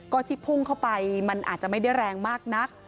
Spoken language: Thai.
ก็ที่พุ่งเข้าไปมันอาจจะไม่ได้แรงมากนัก